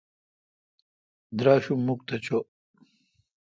دراشوم مکھ تہ چو۔